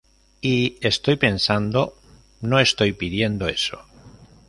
Y estoy pensando, 'No estoy pidiendo eso.